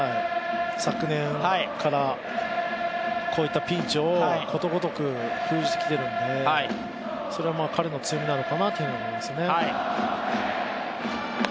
昨年から、こういったピンチをことごとく封じてきているので、それは彼の強みなのかなと思いますね。